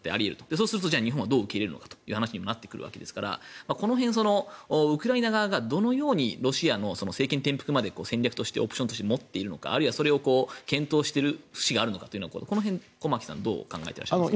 そうすると日本はどう受け入れるのかという話になるわけですからこの辺、ウクライナ側がどのようにロシアの政権転覆まで戦略としてオプションとして持っているのかあるいはそれを検討している節があるのかというこの辺は駒木さんはどう考えていますか？